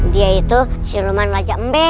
dia itu si lukman lajak mbe